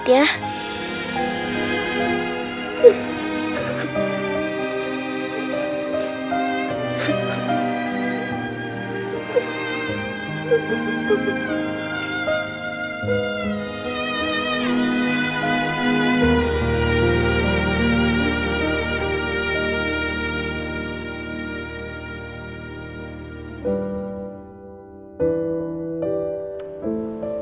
kalian harus jaga diri ya